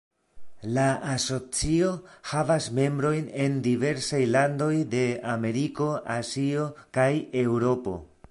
La asocio havas membrojn en diversaj landoj de Ameriko, Azio kaj Eŭropo.